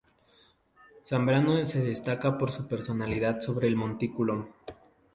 Zambrano se destaca por su personalidad sobre el montículo.